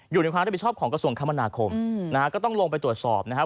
อยู่ในความรับผิดชอบของกระทรวงคมนาคมนะฮะก็ต้องลงไปตรวจสอบนะครับ